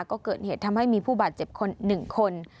ก็เกิดเหตุทำให้มีผู้บาดเจ็บ๑คน